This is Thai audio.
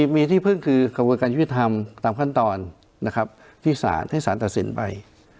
มีที่พึ่งครบการยี่ทำตามขั้นตอนที่สารตัดสินไป